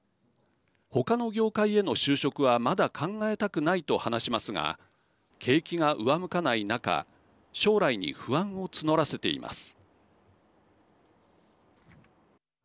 ほかの業界への就職はまだ考えたくないと話しますが景気が上向かない中将来に不安を募らせています。